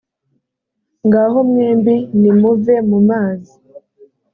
ngaho mwembi nimuve mu mazi